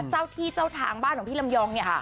เจ้าที่เจ้าทางบ้านของพี่ลำยองเนี่ย